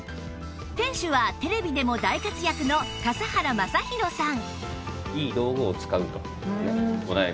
店主はテレビでも大活躍の笠原将弘さん